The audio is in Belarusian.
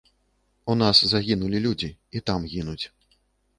У нас загінулі людзі, і там гінуць.